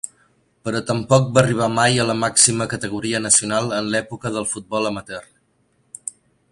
Però tampoc va arribar mai a la màxima categoria nacional en l'època del futbol amateur.